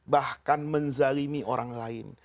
bahkan menzalimi orang lain